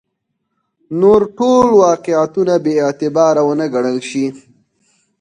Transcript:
نور ټول واقعیتونه بې اعتباره ونه ګڼل شي.